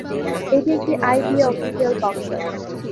এটি একটি IBA official cocktail.